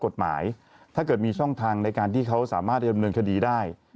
ถ้าเกิดมีช่องทางในการที่เขาสามารถจะดำเนินคดีได้